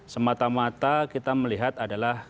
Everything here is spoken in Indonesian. semata mata kita melihat adalah